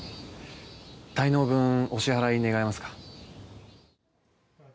滞納分お支払い願えますか？